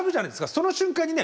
その瞬間にね